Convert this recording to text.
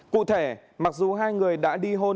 cụ thể mặc dù hai người đã đi hôn